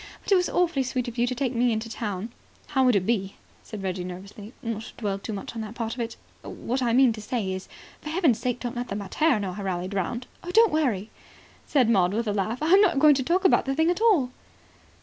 But it was awfully sweet of you to take me into town." "How would it be," said Reggie nervously, "not to dwell too much on that part of it? What I mean to say is, for heaven's sake don't let the mater know I rallied round." "Don't worry," said Maud with a laugh. "I'm not going to talk about the thing at all."